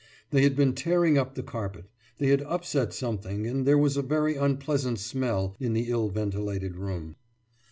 They had been tearing up the carpet; they had upset something, and there was a very unpleasant smell in the ill ventilated room.